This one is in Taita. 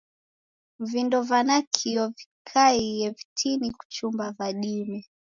Vindo va nakio vikaie vitini kuchumba va dime.